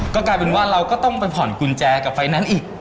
ก็กลายเป็นว่าเราก็ต้องไปผ่อนกุญแจกับไฟแนนซ์อีก